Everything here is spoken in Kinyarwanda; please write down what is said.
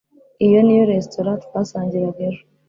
iyo niyo resitora twasangiraga ejo